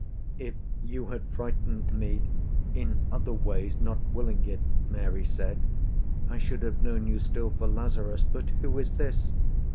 "If you had frightened me in other ways, Not willing it," Mary said, "I should have known You still for Lazarus. But who is this?